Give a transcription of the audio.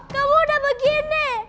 kamu udah begini